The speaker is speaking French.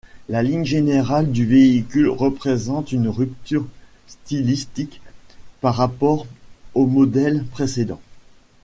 La ligne générale du véhicule représente une rupture stylistique par rapport aux modèles précédents.